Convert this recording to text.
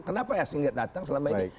kenapa asing datang selama ini